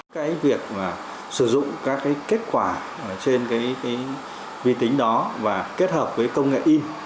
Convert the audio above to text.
cái việc sử dụng các kết quả trên vi tính đó và kết hợp với công nghệ in